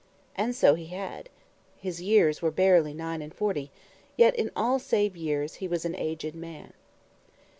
And so he had. His years were barely nine and forty, yet in all save years, he was an aged man.